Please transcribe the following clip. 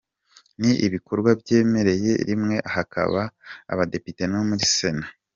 Ni ibikorwa byebereye rimwe haba mu badepite no muri Sena.